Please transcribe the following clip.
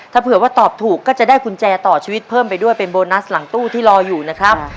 ถ้าเผื่อว่าตอบถูกก็จะได้กุญแจต่อชีวิตเพิ่มไปด้วยเป็นโบนัสหลังตู้ที่รออยู่นะครับ